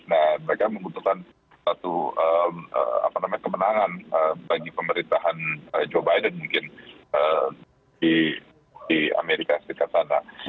nah mereka membutuhkan satu kemenangan bagi pemerintahan joe biden mungkin di amerika serikat sana